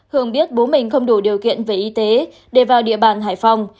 hương biết bố mình không đủ điều kiện về y tế để vào địa bàn hải phòng